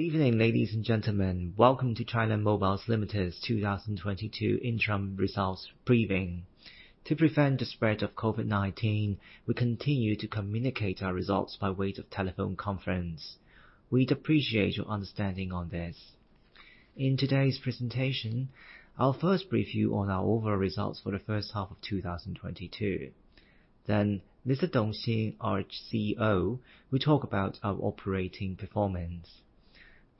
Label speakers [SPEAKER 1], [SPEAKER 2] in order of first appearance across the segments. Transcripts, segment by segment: [SPEAKER 1] Good evening, ladies and gentlemen. Welcome to China Mobile Limited's 2022 interim results briefing. To prevent the spread of COVID-19, we continue to communicate our results by way of telephone conference. We'd appreciate your understanding on this. In today's presentation, I'll first brief you on our overall results for the first half of 2022. Then Mr. Dong Xin, our Chief Executive Officer, will talk about our operating performance.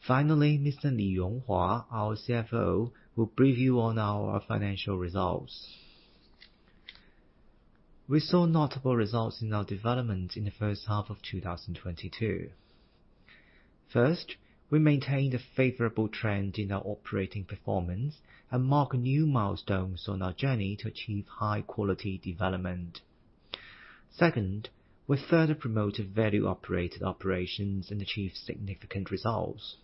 [SPEAKER 1] Finally, Mr. Li Ronghua, our Chief Financial Officer, will brief you on our financial results. We saw notable results in our developments in the first half of 2022. First, we maintained a favorable trend in our operating performance and marked new milestones on our journey to achieve high-quality development. Second, we further promoted value-operated operations and achieved significant results.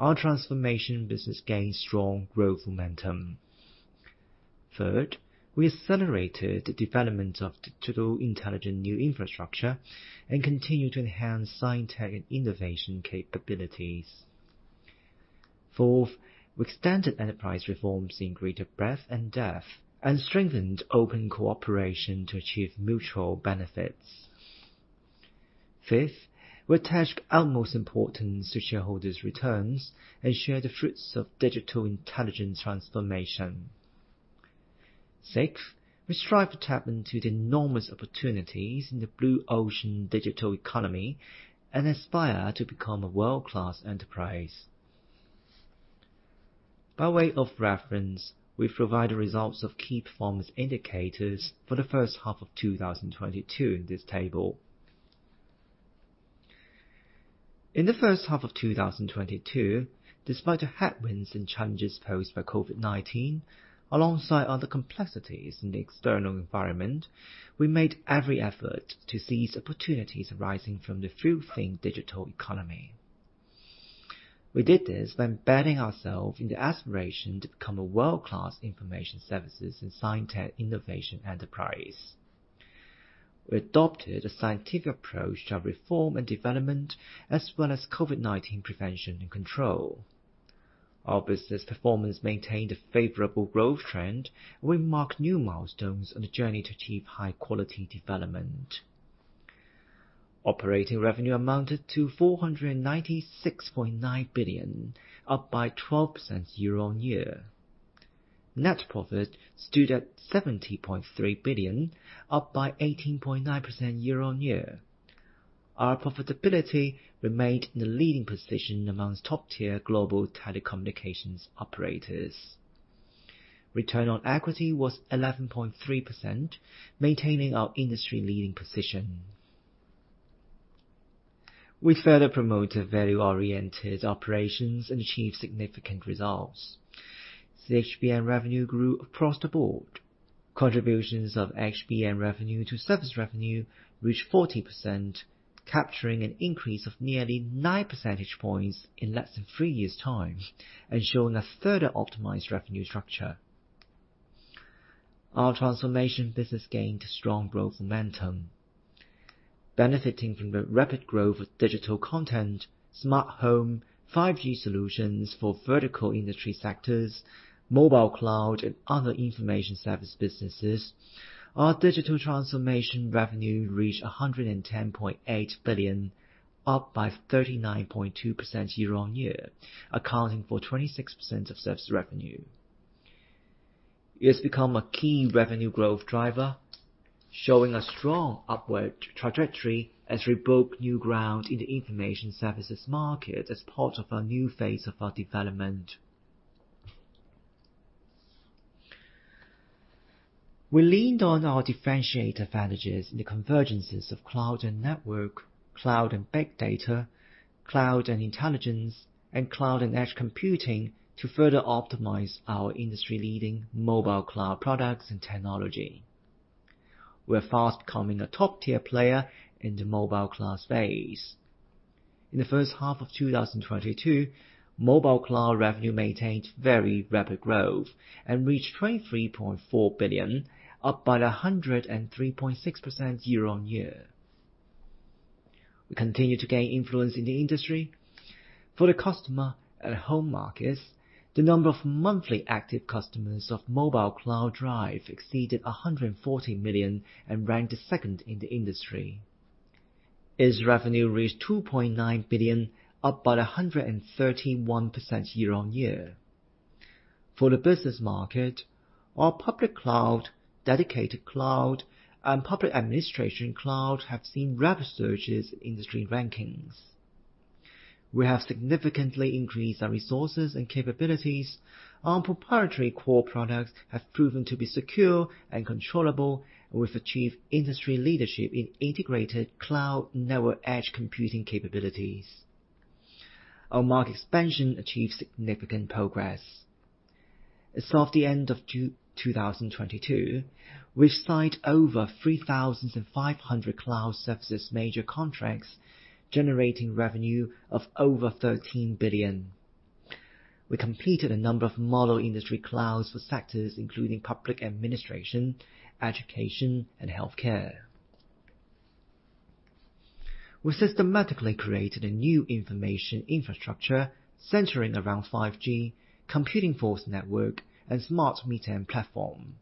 [SPEAKER 1] Our transformation business gained strong growth momentum. Third, we accelerated the development of digital intelligent new infrastructure and continued to enhance science tech and innovation capabilities. Fourth, we extended enterprise reforms in greater breadth and depth and strengthened open cooperation to achieve mutual benefits. Fifth, we attached utmost importance to shareholders' returns and share the fruits of digital intelligence transformation. Sixth, we strive to tap into the enormous opportunities in the blue ocean digital economy and aspire to become a world-class enterprise. By way of reference, we provide the results of key performance indicators for the first half of 2022 in this table. In the first half of 2022, despite the headwinds and challenges posed by COVID-19, alongside other complexities in the external environment, we made every effort to seize opportunities arising from the full-fledged digital economy. We did this by embedding ourselves in the aspiration to become a world-class information services and science tech innovation enterprise. We adopted a scientific approach to our reform and development, as well as COVID-19 prevention and control. Our business performance maintained a favorable growth trend, and we marked new milestones on the journey to achieve high-quality development. Operating revenue amounted to 496.9 billion, up by 12% year-over-year. Net profit stood at 70.3 billion, up by 18.9% year-over-year. Our profitability remained in the leading position among top-tier global telecommunications operators. Return on equity was 11.3%, maintaining our industry-leading position. We further promoted value-oriented operations and achieved significant results. The CHBN revenue grew across the board. Contributions of CHBN revenue to service revenue reached 40%, capturing an increase of nearly nine percentage points in less than three years' time, ensuring a further optimized revenue structure. Our transformation business gained strong growth momentum. Benefiting from the rapid growth of digital content, smart home, 5G solutions for vertical industry sectors, Mobile Cloud, and other information service businesses, our digital transformation revenue reached 110.8 billion, up by 39.2% year-on-year, accounting for 26% of service revenue. It has become a key revenue growth driver, showing a strong upward trajectory as we break new ground in the information services market as part of our new phase of our development. We leaned on our differentiated advantages in the convergences of cloud and network, cloud and big data, cloud and intelligence, and cloud and edge computing to further optimize our industry-leading Mobile Cloud products and technology. We're fast becoming a top-tier player in the Mobile Cloud space. In the first half of 2022, Mobile Cloud revenue maintained very rapid growth and reached 23.4 billion, up by 103.6% year-on-year. We continue to gain influence in the industry. For the customer and home markets, the number of monthly active customers of Mobile Cloud Drive exceeded 140 million and ranked second in the industry. Its revenue reached 2.9 billion, up by 131% year-on-year. For the business market, our public cloud, dedicated cloud, and public administration cloud have seen rapid surges in industry rankings. We have significantly increased our resources and capabilities. Our proprietary core products have proven to be secure and controllable, and we've achieved industry leadership in integrated cloud network edge computing capabilities. Our market expansion achieved significant progress. As of the end of June 2022, we've signed over 3,500 cloud services major contracts, generating revenue of over 13 billion. We completed a number of model industry clouds for sectors including public administration, education, and healthcare. We systematically created a new information infrastructure centering around 5G, computing force network, and smart mid-end platform.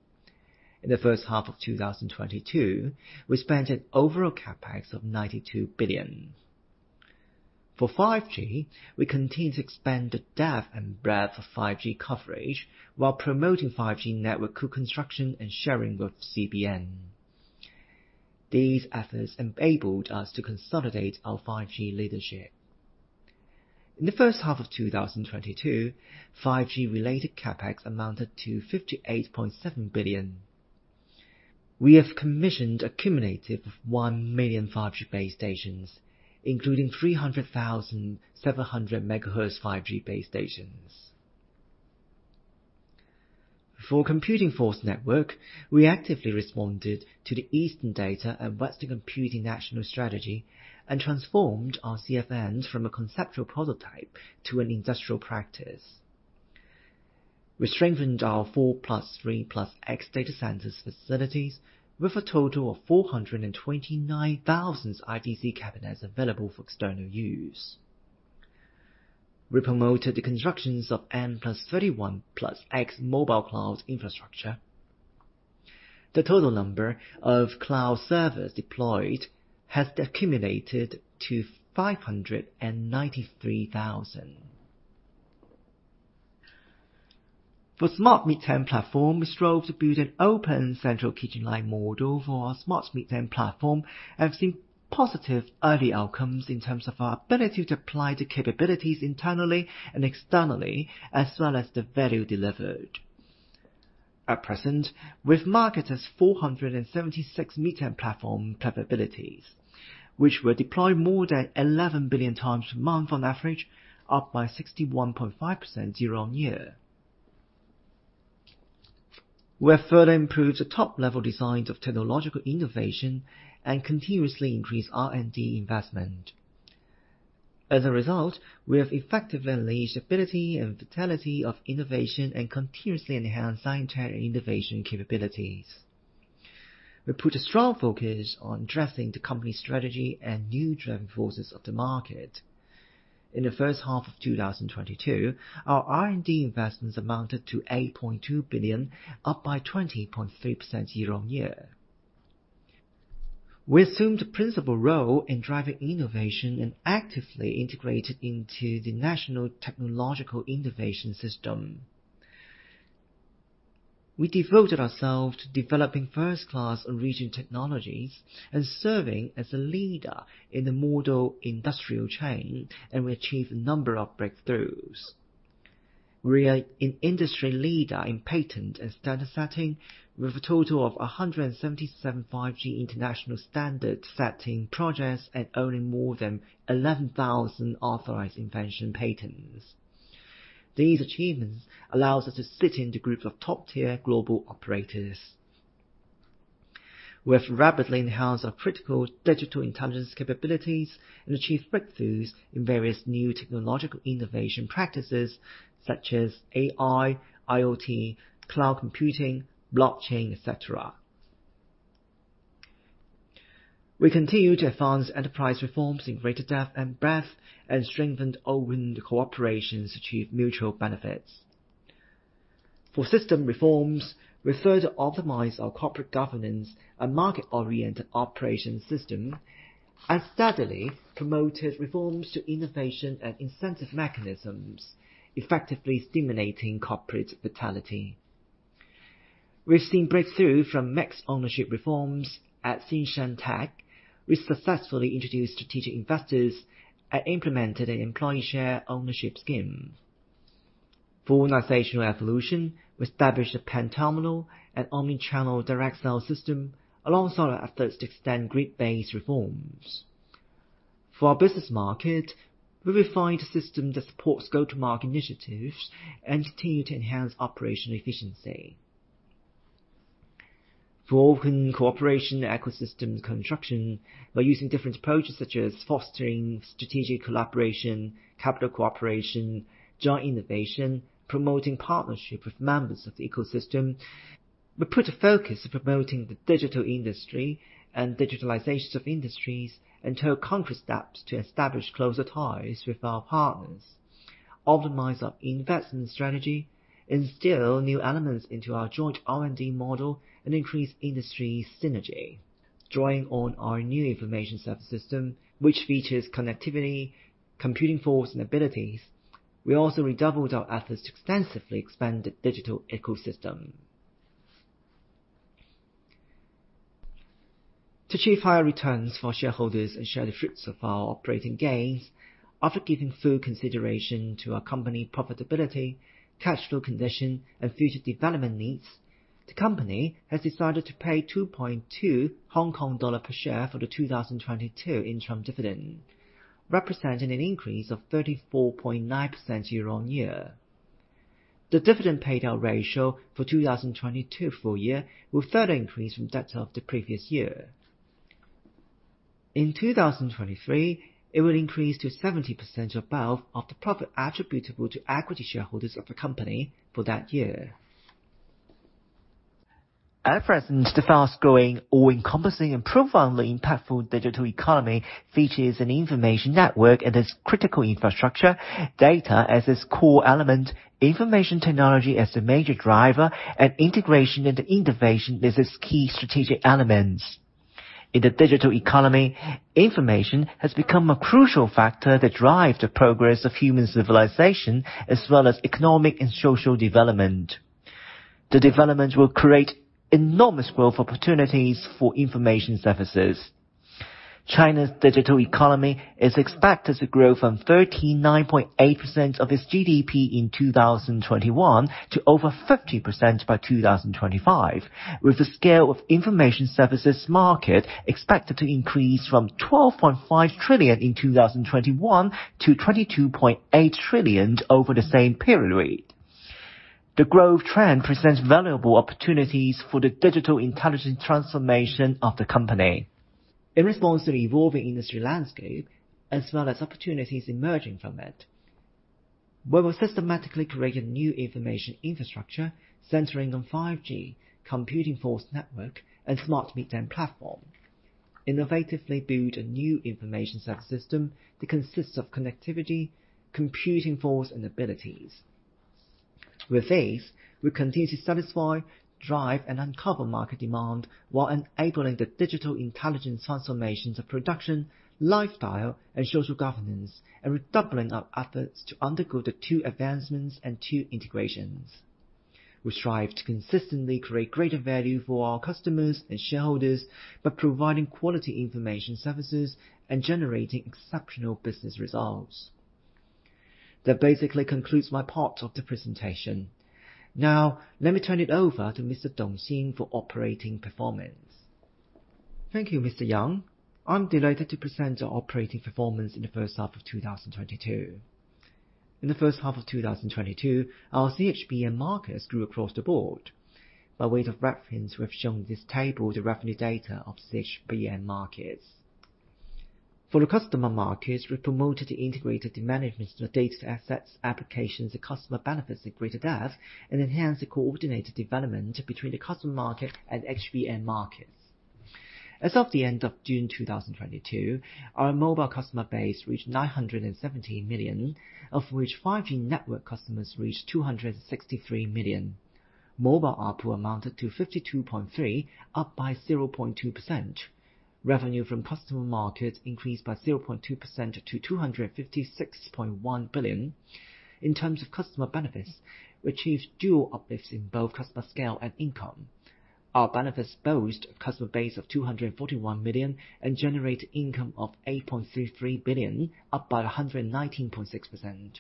[SPEAKER 1] In the first half of 2022, we spent an overall CapEx of 92 billion. For 5G, we continue to expand the depth and breadth of 5G coverage while promoting 5G network construction and sharing with CBN. These efforts enabled us to consolidate our 5G leadership. In the first half of 2022, 5G-related CapEx amounted to 58.7 billion. We have commissioned a cumulative of 1 million 5G base stations, including 300,000 700 megahertz 5G base stations. For computing force network, we actively responded to the Eastern Data, Western Computing national strategy and transformed our CFNs from a conceptual prototype to an industrial practice. We strengthened our 4+3+X data centers facilities with a total of 429,000 IDC cabinets available for external use. We promoted the constructions of N+31+X mobile cloud infrastructure. The total number of cloud servers deployed has accumulated to 593,000. For smart mid-end platform, we strove to build an open central kitchen-like model for our smart mid-end platform and have seen positive early outcomes in terms of our ability to apply the capabilities internally and externally, as well as the value delivered. At present, we've marketed 476 mid-end platform capabilities, which were deployed more than 11 billion x a month on average, up by 61.5% year-on-year. We have further improved the top-level designs of technological innovation and continuously increased R&D investment. As a result, we have effectively unleashed ability and vitality of innovation and continuously enhanced scientific innovation capabilities. We put a strong focus on addressing the company strategy and new driving forces of the market. In the first half of 2022, our R&D investments amounted to 8.2 billion, up by 20.3% year-on-year. We assumed the principal role in driving innovation and actively integrated into the national technological innovation system. We devoted ourselves to developing first-class original technologies and serving as a leader in the model industrial chain, and we achieved a number of breakthroughs. We are an industry leader in patent and standard setting with a total of 177 5G international standard setting projects and owning more than 11,000 authorized invention patents. These achievements allows us to sit in the group of top-tier global operators. We have rapidly enhanced our critical digital intelligence capabilities and achieved breakthroughs in various new technological innovation practices such as AI, IoT, cloud computing, blockchain, et cetera. We continue to advance enterprise reforms in greater depth and breadth and strengthen open cooperation to achieve mutual benefits. For system reforms, we further optimize our corporate governance and market-oriented operation system and steadily promoted reforms to innovation and incentive mechanisms, effectively stimulating corporate vitality. We've seen breakthrough from mixed ownership reforms. At Xinyang Technology, we successfully introduced strategic investors and implemented an employee share ownership scheme. For organizational evolution, we established a pan-terminal and omni-channel direct sale system alongside our efforts to extend grid-based reforms. For our business market, we refined a system that supports go-to-market initiatives and continue to enhance operational efficiency. For open cooperation and ecosystem construction, by using different approaches such as fostering strategic collaboration, capital cooperation, joint innovation, promoting partnership with members of the ecosystem, we put a focus on promoting the digital industry and digitalization of industries and took concrete steps to establish closer ties with our partners, optimize our investment strategy, instill new elements into our joint R&D model, and increase industry synergy. Drawing on our new information service system, which features connectivity, computing force, and abilities, we also redoubled our efforts to extensively expand the digital ecosystem. To achieve higher returns for shareholders and share the fruits of our operating gains, after giving full consideration to our company profitability, cash flow condition, and future development needs, the company has decided to pay 2.2 Hong Kong dollar per share for the 2022 interim dividend, representing an increase of 34.9% year-on-year. The dividend payout ratio for 2022 full year will further increase from that of the previous year. In 2023, it will increase to 70% or above of the profit attributable to equity shareholders of the company for that year. At present, the fast-growing, all-encompassing, and profoundly impactful digital economy features an information network and its critical infrastructure, data as its core element, information technology as the major driver, and integration into innovation as its key strategic elements. In the digital economy, information has become a crucial factor that drives the progress of human civilization, as well as economic and social development. The development will create enormous growth opportunities for information services. China's digital economy is expected to grow from 39.8% of its GDP in 2021 to over 50% by 2025, with the scale of information services market expected to increase from 12.5 trillion in 2021 to 22.8 trillion over the same period. The growth trend presents valuable opportunities for the digital intelligence transformation of the company. In response to the evolving industry landscape as well as opportunities emerging from it, we will systematically create a new information infrastructure centering on 5G, computing force network, and smart mid-end platform. Innovatively build a new information service system that consists of connectivity, computing force, and abilities.
[SPEAKER 2] With this, we continue to satisfy, drive, and uncover market demand while enabling the digital intelligence transformations of production, lifestyle, and social governance, and redoubling our efforts to undergo the two advancements and two integrations. We strive to consistently create greater value for our customers and shareholders by providing quality information services and generating exceptional business results. That basically concludes my part of the presentation. Now, let me turn it over to Mr. Dong Xin for operating performance. Thank you, Mr. Yang. I'm delighted to present our operating performance in the first half of 2022. In the first half of 2022, our CHBN markets grew across the board. By way of reference, we have shown in this table the revenue data of CHBN markets. For the customer markets, we promoted the integrated management of data assets, applications, and customer benefits at greater depth, and enhanced the coordinated development between the customer market andC HBN markets. As of the end of June 2022, our mobile customer base reached 970 million, of which 5G network customers reached 263 million. Mobile ARPU amounted to 52.3, up by 0.2%. Revenue from customer markets increased by 0.2% to 256.1 billion. In terms of customer benefits, we achieved dual uplifts in both customer scale and income. Our benefits boast a customer base of 241 million and generate income of 8.33 billion, up by 119.6%.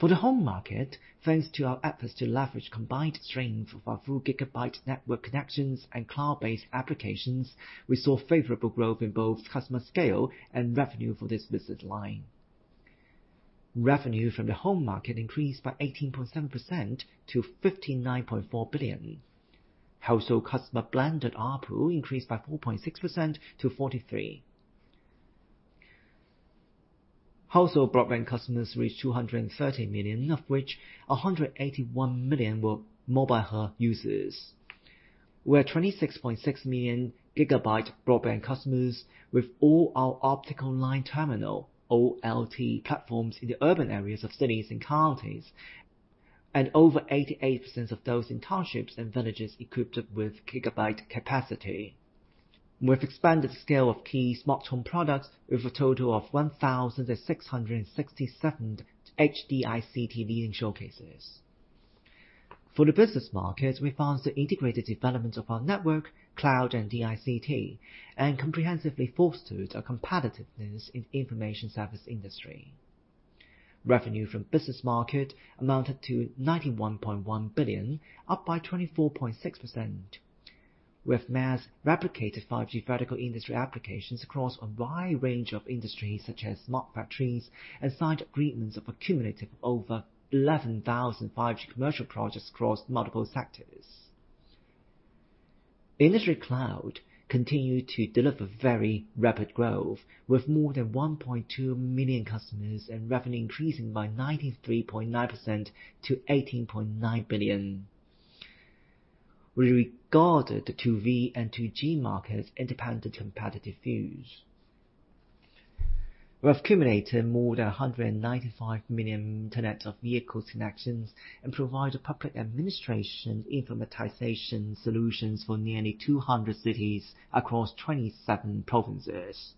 [SPEAKER 2] For the home market, thanks to our efforts to leverage combined strength of our full gigabyte network connections and cloud-based applications, we saw favorable growth in both customer scale and revenue for this business line. Revenue from the home market increased by 18.7% to 59.4 billion. Household customer blended ARPU increased by 4.6% - 43. Household broadband customers reached 230 million, of which 181 million were mobile hub users. We have 26.6 million gigabyte broadband customers with all our optical line terminal, OLT platforms in the urban areas of cities and counties, and over 88% of those in townships and villages equipped with gigabyte capacity. We have expanded the scale of key smart home products with a total of 1,667 HD DICT leading showcases. For the business market, we advanced the integrated development of our network, cloud, and DICT, and comprehensively fostered a competitiveness in information service industry. Revenue from business market amounted to 91.1 billion, up by 24.6%. We have mass-replicated 5G vertical industry applications across a wide range of industries such as smart factories and signed agreements of a cumulative over 11,000 5G commercial projects across multiple sectors. Industry cloud continued to deliver very rapid growth, with more than 1.2 million customers and revenue increasing by 93.9% to CNY 18.9 billion. We regarded the ToV and ToG markets independent competitive fields. We have accumulated more than 195 million Internet of Vehicles connections and provided public administration informatization solutions for nearly 200 cities across 27 provinces.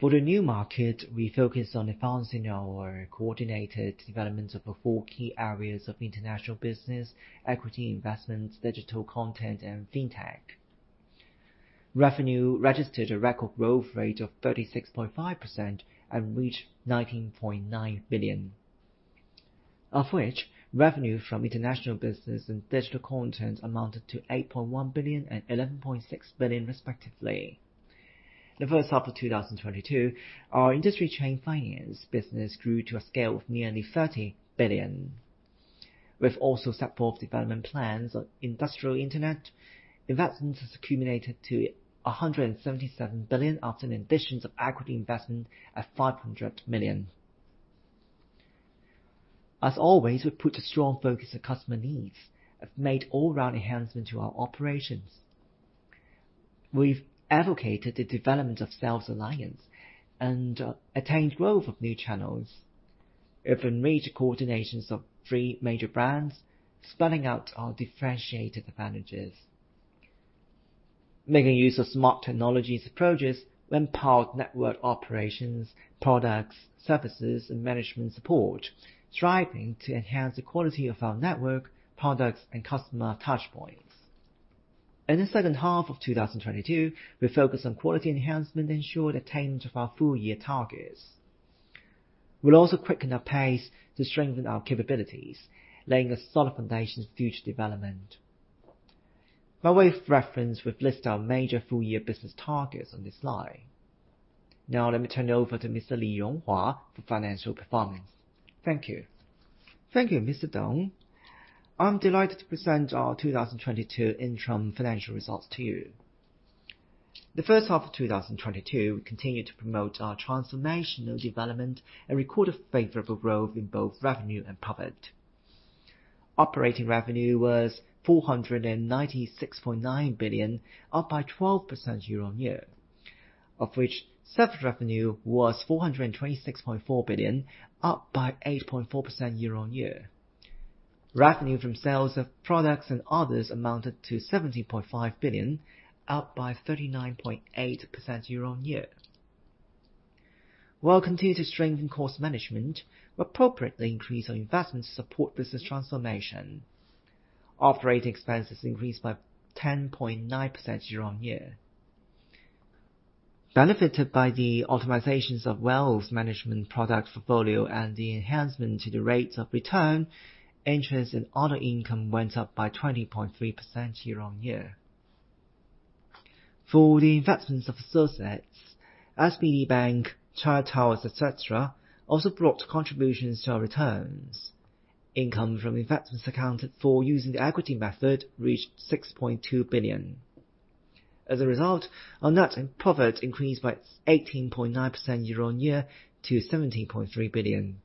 [SPEAKER 2] For the new market, we focused on advancing our coordinated development of the four key areas of international business, equity investments, digital content, and FinTech. Revenue registered a record growth rate of 36.5% and reached 19.9 billion. Of which, revenue from international business and digital content amounted to 8.1 billion and 11.6 billion respectively. In the first half of 2022, our industry chain finance business grew to a scale of nearly 30 billion. We have also set forth development plans on Industrial Internet. Investments has accumulated to 177 billion after an addition of equity investment at 500 million. As always, we put a strong focus on customer needs and have made all-round enhancement to our operations. We've advocated the development of sales alliance and attained growth of new channels. We've arranged coordinations of three major brands, spelling out our differentiated advantages. Making use of smart technology approaches to empower network operations, products, services, and management support, striving to enhance the quality of our network, products, and customer touchpoints. In the second half of 2022, we focus on quality enhancement, ensure the attainment of our full-year targets. We'll also quicken our pace to strengthen our capabilities, laying a solid foundation for future development. By way of reference, we've listed our major full-year business targets on this slide. Now let me turn it over to Mr. Li Ronghua for financial performance. Thank you.
[SPEAKER 3] Thank you, Mr. Dong. I'm delighted to present our 2022 interim financial results to you. In the first half of 2022, we continued to promote our transformational development and record a favorable growth in both revenue and profit. Operating revenue was 496.9 billion, up by 12% year-on-year, of which service revenue was 426.4 billion, up by 8.4% year-on-year. Revenue from sales of products and others amounted to 17.5 billion, up by 39.8% year-on-year. While continuing to strengthen cost management, we appropriately increased our investment to support business transformation. Operating expenses increased by 10.9% year-on-year. Benefited by the optimizations of wealth management product portfolio and the enhancement to the rates of return, interest and other income went up by 20.3% year-on-year. For the investments of assets, SPD Bank, China Tower, et cetera, also brought contributions to our returns. Income from investments accounted for using the equity method reached 6.2 billion. As a result, our net profit increased by 18.9% year-on-year to 17.3 billion.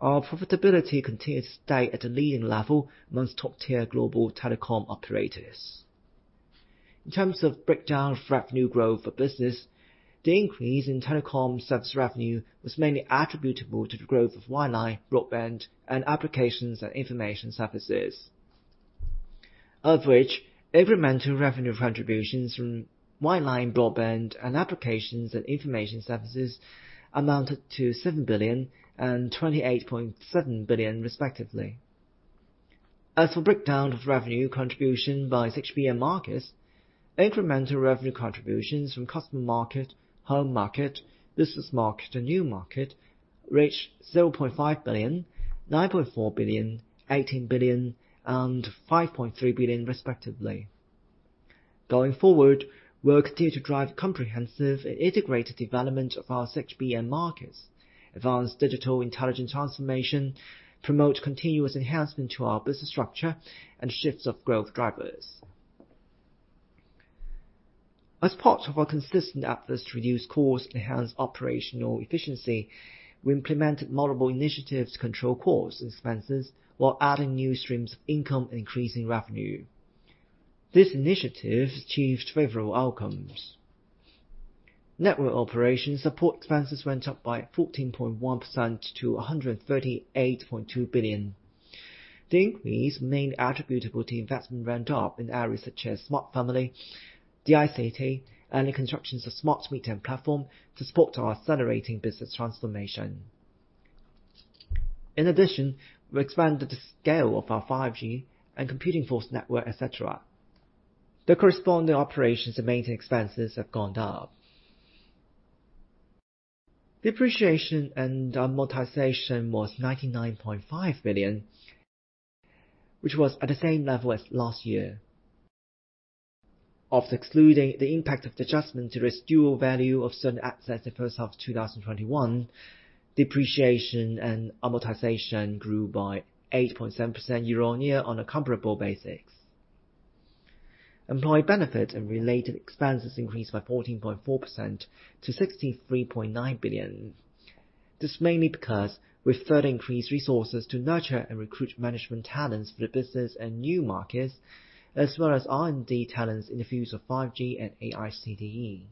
[SPEAKER 3] Our profitability continued to stay at a leading level among top-tier global telecom operators. In terms of breakdown of revenue growth for business, the increase in telecom service revenue was mainly attributable to the growth of wireline, broadband, and applications and information services. Of which, incremental revenue contributions from wireline, broadband, and applications and information services amounted to 7 billion and 28.7 billion respectively. As for breakdown of revenue contribution by CHBN markets, incremental revenue contributions from Consumer market, Home market, Business market, and New market reached 0.5 billion, 9.4 billion, 18 billion, and 5.3 billion respectively. Going forward, we'll continue to drive comprehensive and integrated development of our six BM markets, advance digital intelligent transformation, promote continuous enhancement to our business structure, and shifts of growth drivers. As part of our consistent efforts to reduce costs and enhance operational efficiency, we implemented multiple initiatives to control costs and expenses while adding new streams of income and increasing revenue. These initiatives achieved favorable outcomes. Network operations support expenses went up by 14.1% to 138.2 billion. The increase mainly attributable to investment ramp-up in areas such as Smart Family, the DICT, and the constructions of smart mid-end platform to support our accelerating business transformation. In addition, we expanded the scale of our 5G and computing force network, et cetera. The corresponding operations and maintenance expenses have gone up. Depreciation and amortization was 99.5 billion, which was at the same level as last year. After excluding the impact of the adjustment to the residual value of certain assets in the first half of 2021, depreciation and amortization grew by 8.7% year-on-year on a comparable basis. Employee benefit and related expenses increased by 14.4% to 63.9 billion. This is mainly because we further increased resources to nurture and recruit management talents for the business and new markets, as well as R&D talents in the fields of 5G and AICDE.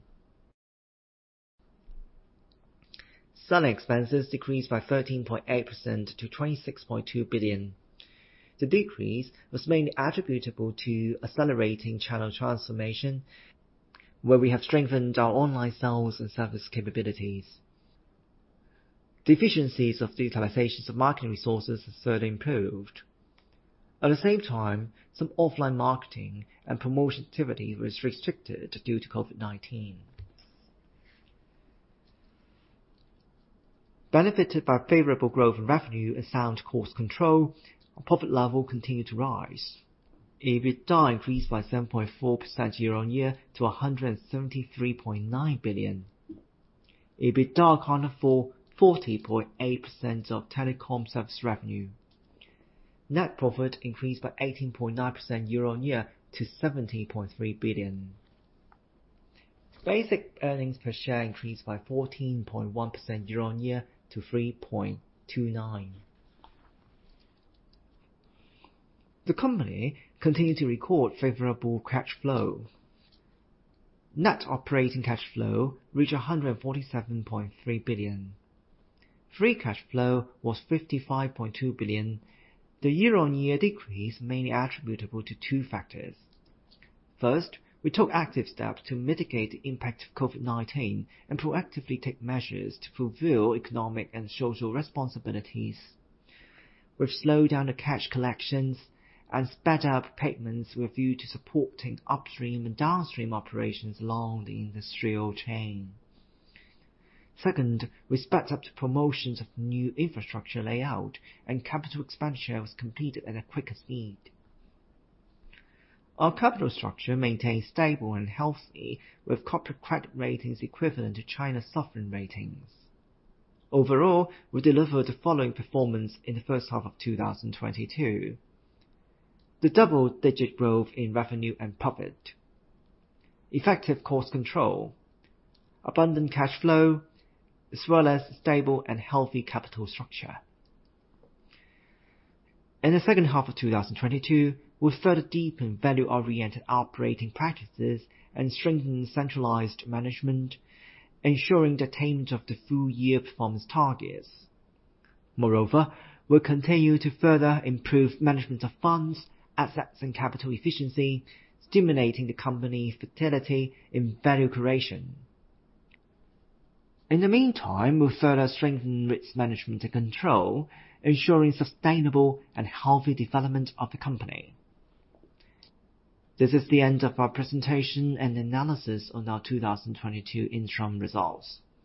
[SPEAKER 3] Selling expenses decreased by 13.8% to 26.2 billion. The decrease was mainly attributable to accelerating channel transformation, where we have strengthened our online sales and service capabilities. The efficiencies of digitalizations of marketing resources have further improved. At the same time, some offline marketing and promotion activity was restricted due to COVID-19. Benefited by favorable growth in revenue and sound cost control, our profit level continued to rise. EBITDA increased by 7.4% year-on-year to 173.9 billion. EBITDA accounted for 40.8% of telecom service revenue. Net profit increased by 18.9% year-on-year to 17.3 billion. Basic earnings per share increased by 14.1% year-on-year to CNY 3.29. The company continued to record favorable cash flow. Net operating cash flow reached 147.3 billion. Free cash flow was 55.2 billion. The year-on-year decrease mainly attributable to two factors. First, we took active steps to mitigate the impact of COVID-19 and proactively take measures to fulfill economic and social responsibilities. We've slowed down the cash collections and sped up payments with a view to supporting upstream and downstream operations along the industrial chain. Second, we sped up the promotions of new infrastructure layout and capital expansion was completed at a quicker speed. Our capital structure maintained stable and healthy with corporate credit ratings equivalent to China's sovereign ratings. Overall, we delivered the following performance in the first half of 2022. The double-digit growth in revenue and profit, effective cost control, abundant cash flow, as well as stable and healthy capital structure. In the second half of 2022, we'll further deepen value-oriented operating practices and strengthen centralized management, ensuring the attainment of the full-year performance targets. Moreover, we'll continue to further improve management of funds, assets, and capital efficiency, stimulating the company's vitality in value creation. In the meantime, we'll further strengthen risk management and control, ensuring sustainable and healthy development of the company. This is the end of our presentation and analysis on our 2022 interim results.